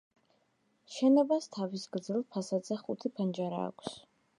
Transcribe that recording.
შენობას თავის გრძელ ფასადზე ხუთი ფანჯარა აქვს.